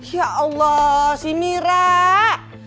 ya allah si mirah